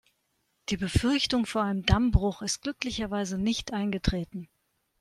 Die Befürchtung vor einem Dammbruch ist glücklicherweise nicht eingetreten.